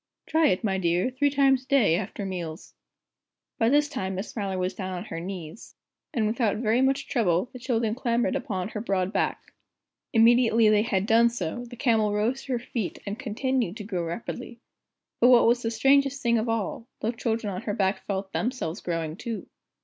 Try it, my dear, three times a day, after meals." By this time Miss Smiler was down on her knees, and without very much trouble the children clambered upon her broad back. Immediately they had done so, the Camel rose to her feet, and continued to grow rapidly. But what was the strangest thing of all, the children on her back felt themselves growing, too!